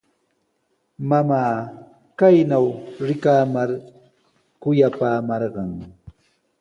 Mamaa kaynaw rikamar kuyapaamarqan.